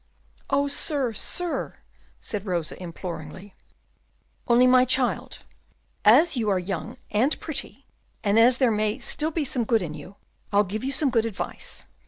"Oh, sir, sir!" said Rosa, imploringly. "Only, my child," continued Van Systens, "as you are young and pretty, and as there may be still some good in you, I'll give you some good advice.